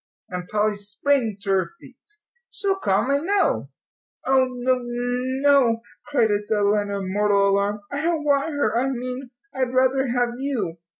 And Polly sprang to her feet. "She'll come, I know." "Oh, no no," cried Adela, in mortal alarm. "I don't want her I mean I'd rather have you.